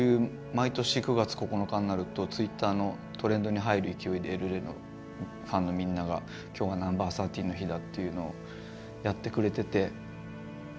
毎年９月９日になるとＴｗｉｔｔｅｒのトレンドに入る勢いでエルレのファンのみんなが今日は「Ｎｏ．１３」の日だっていうのをやってくれてて。